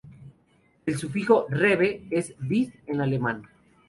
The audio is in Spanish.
El sufijo "rebe" es vid en alemán.